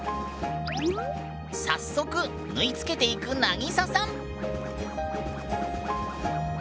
早速縫いつけていくなぎささん。